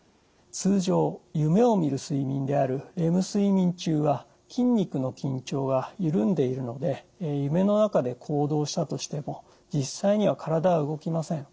通常夢をみる睡眠であるレム睡眠中は筋肉の緊張がゆるんでいるので夢の中で行動したとしても実際には体は動きません。